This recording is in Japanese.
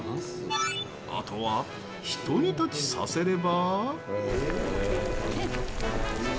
あとはひと煮立ちさせれば。